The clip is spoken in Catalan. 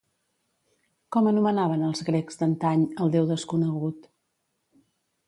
Com anomenaven els grecs d'antany al déu desconegut?